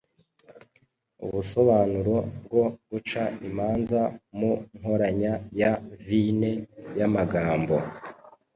Ubusobanuro bwo guca imanza Mu Nkoranya ya Vine y’amagambo